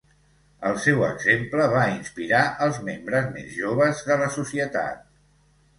El seu exemple va inspirar els membres més joves de la societat.